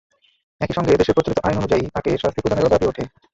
একই সঙ্গে দেশের প্রচলিত আইন অনুযায়ী তাঁকে শাস্তি প্রদানেরও দাবি ওঠে।